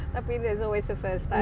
tapi itu selalu pertama kali